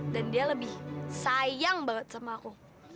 dia lebih sayang banget sama aku